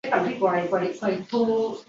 罗讷河畔阿尔拉。